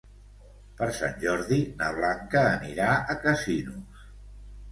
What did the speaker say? Per Sant Jordi na Blanca anirà a Casinos.